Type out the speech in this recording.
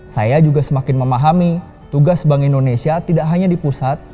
saya juga semakin memahami tugas bank indonesia tidak hanya di pusat